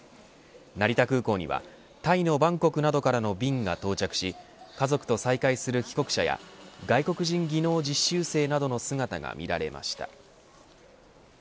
成田空港にはタイのバンコクなどからの便が到着し家族と再会する帰国者や外国人技能実習生などの姿が見られました。